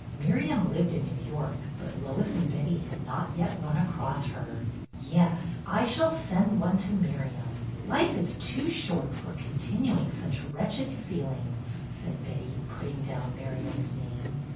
Miriam lived in New York, but Lois and Betty had not yet run across her. '' Yes, I shall send one to Miriam. Life is too short for continuing such wretched feelings," said Betty, putting down Miriam's name.